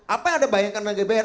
apa yang ada bayangkan dengan gbhn